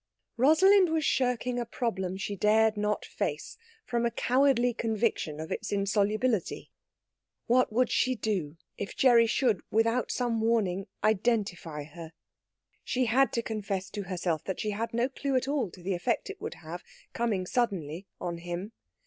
Rosalind was shirking a problem she dared not face from a cowardly conviction of its insolubility. What would she do if Gerry should, without some warning, identify her? She had to confess to herself that she had no clue at all to the effect it would have, coming suddenly, on him.